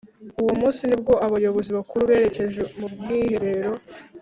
Uwo munsi nibwo abayobozi bakuru berekeje mumwiherero